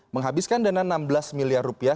menghabiskan dana enam belas miliar rupiah